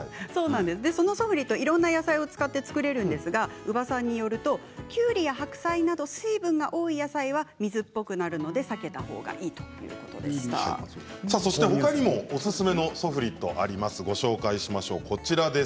ソフリットは、いろいろな野菜を使って作れるんですが伯母さんによるときゅうりや白菜など水分が多い野菜は水っぽくなるので避けたほうがいいほかにもおすすめのソフリットがあります。